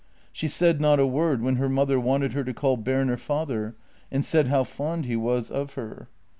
She said not a word when her mother wanted her to call Berner father ^nd said how fond he was of her.